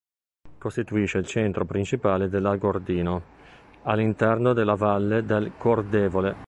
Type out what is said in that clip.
Costituisce il centro principale dell'Agordino all'interno della valle del Cordevole.